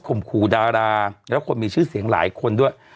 มขู่ดาราแล้วคนมีชื่อเสียงหลายคนด้วย